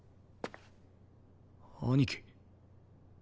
兄貴。